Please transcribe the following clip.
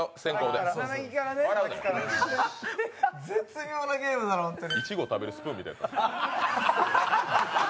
絶妙なゲームだな、本当に。